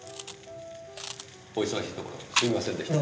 お忙しいところすいませんでした。